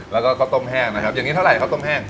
แล้วก็ข้าวต้มแห้งนะครับอย่างนี้เท่าไหร่ข้าวต้มแห้ง